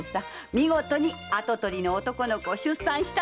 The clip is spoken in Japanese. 見事に跡取りの男の子を出産したの！